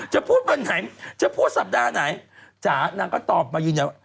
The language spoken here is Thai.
จะพูดวันไหนจะพูดสัปดาห์ไหนจ๋านางก็ตอบมายืนยันว่า